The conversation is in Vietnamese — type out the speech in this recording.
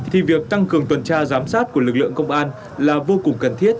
thì việc tăng cường tuần tra giám sát của lực lượng công an là vô cùng cần thiết